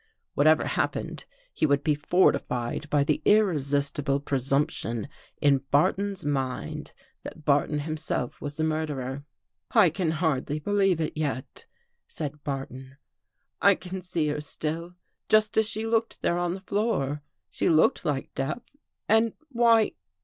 " Whatever happened, he would be fortified by the irresistible presumption in Barton's mind that Barton himself was the murderer." " I can hardly believe it yet," said Barton. " I can see her still, just as she looked there on the floor. She looked like death. And why